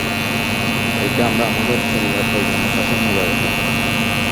একে আমরা আমাদের পরিবার-পরিজনের কাছে নিয়ে যাব কি?